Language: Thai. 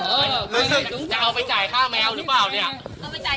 โอ้โหเออจะเอาไปจ่ายค่าแมวหรือเปล่าเนี้ย